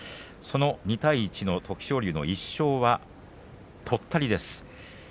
２対１の徳勝龍の１勝は、とったりです。